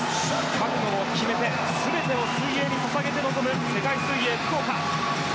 覚悟を決めて全てを水泳に注げて臨む世界水泳福岡。